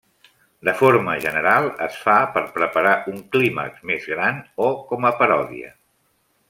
De forma general es fa per preparar un clímax més gran o com a paròdia.